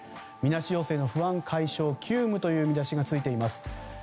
みなし陽性の不安解消急務という見出しがついています。